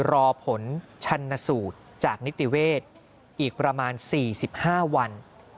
รอผลชันสูตรจากนิติเวศอีกประมาณ๔๕วัน